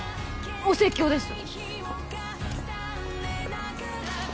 お説教です。